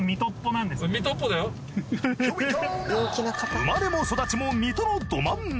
生まれも育ちも水戸のど真ん中。